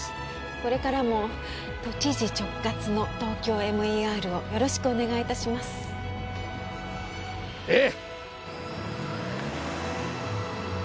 これからも都知事直轄のＴＯＫＹＯＭＥＲをよろしくお願いいたしますええ！